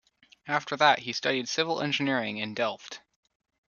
After that he studied civil engineering in Delft.